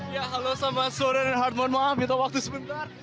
ya halo sama soren dan hartman maaf minta waktu sebentar